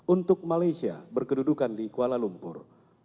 untuk malaysia berkedudukan di kuala lumpur